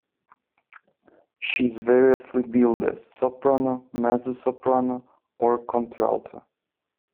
She is variously billed as a soprano, mezzo-soprano or contralto.